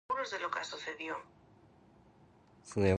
It is blue when first written with, but soon becomes an intense black.